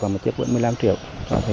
một chiếc bốn mươi tám triệu đồng